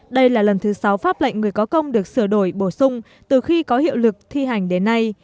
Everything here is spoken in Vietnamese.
đây là lần thứ sáu pháp lệnh người có công được sửa đổi bổ sung từ khi có hiệu lực thi hành đến nay